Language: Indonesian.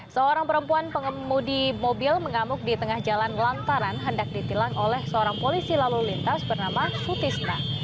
seorang perempuan pengemudi mobil mengamuk di tengah jalan lantaran hendak ditilang oleh seorang polisi lalu lintas bernama sutisna